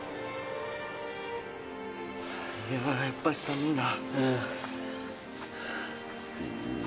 いややっぱし寒いな。